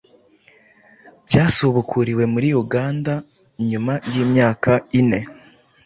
byasubukuriwe muri Uganda nyuma y’imyaka ine